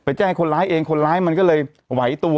แจ้งคนร้ายเองคนร้ายมันก็เลยไหวตัว